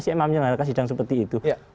si ma menyelenggarakan sidang seperti itu